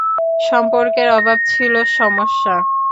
সম্পর্কের অভাব ছিল সমস্যা।